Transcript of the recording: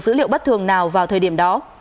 dữ liệu bất thường nào vào thời điểm đó